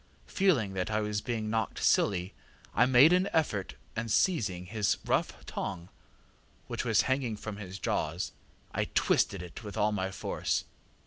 Feeling that I was being knocked silly, I made an effort and seizing his rough tongue, which was hanging from his jaws, I twisted it with all my force.